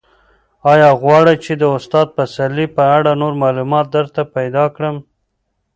ایا غواړې چې د استاد پسرلي په اړه نور معلومات درته پیدا کړم؟